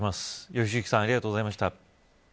良幸さんありがとうございました。